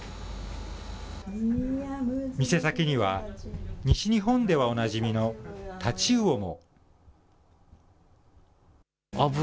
店先には、西日本ではおなじみのタチウオも。